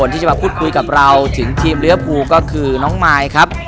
ที่จะมาพูดคุยกับเราถึงทีมเลี้ยภูก็คือน้องมายครับ